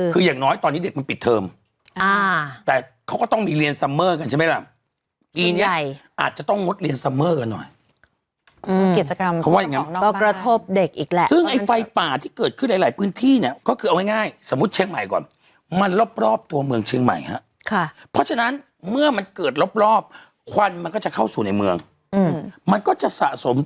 คืออย่างน้อยตอนนี้เด็กมันปิดเทอร์ม